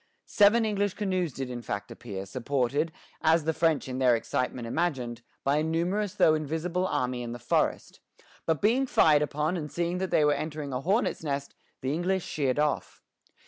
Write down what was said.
Seven English canoes did in fact appear, supported, as the French in their excitement imagined, by a numerous though invisible army in the forest; but being fired upon, and seeing that they were entering a hornet's nest, the English sheered off.